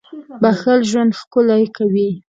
• بښل ژوند ښکلی کوي.